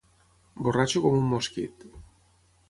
Borratxo com un mosquit.